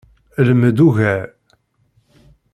Lmed ugar.